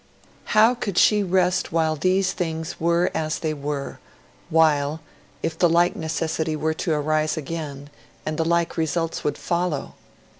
How could she rest while these things were as they were, while, if the like necessity were to arise again, the like results would follow?